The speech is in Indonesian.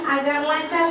agar lancar semua